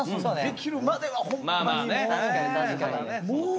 できるまではホンマにもう。